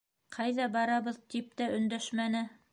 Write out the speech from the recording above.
«Ҡайҙа барабыҙ?» - тип тә өндәшмәне.